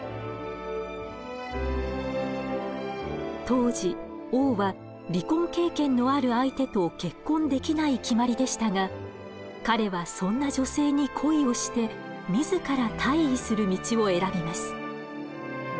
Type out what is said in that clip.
当時王は離婚経験のある相手と結婚できない決まりでしたが彼はそんな女性に恋をして自ら退位する道を選びます。